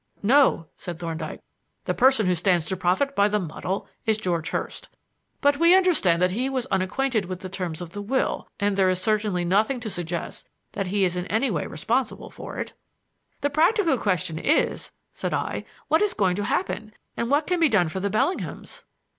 "No," said Thorndyke; "the person who stands to profit by the muddle is George Hurst. But we understand that he was unacquainted with the terms of the will, and there is certainly nothing to suggest that he is in any way responsible for it." "The practical question is," said I, "what is going to happen? and what can be done for the Bellinghams?"